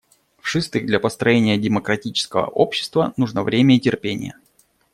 В-шестых, для построения демократического общества нужно время и терпение.